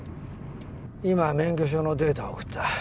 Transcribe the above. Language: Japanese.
今免許証のデータを送った。